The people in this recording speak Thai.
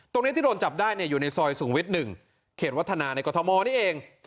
ตรงนี้ที่โดนจับได้อยู่ในซอยสูงวิทย์๑เขตวัฒนาในกรทมนี่เอง